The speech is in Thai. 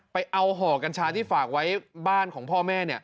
ไปเอาห่อกัญชาที่ฝากไว้บ้านของพ่อแม่